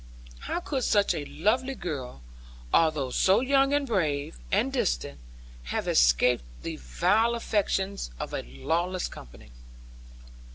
How could such a lovely girl, although so young, and brave, and distant, have escaped the vile affections of a lawless company?